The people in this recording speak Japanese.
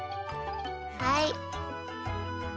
はい。